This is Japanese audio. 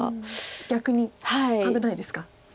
逆に危ないですか。